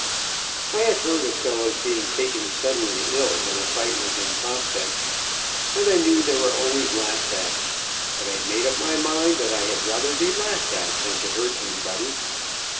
I had heard of fellows being taken suddenly ill when a fight was in prospect, and I knew they were always laughed at, but I made up my mind that I had rather be laughed at than to hurt anybody.